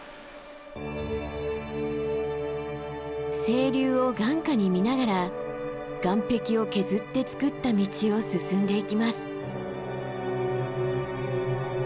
清流を眼下に見ながら岩壁を削ってつくった道を進んでいきます。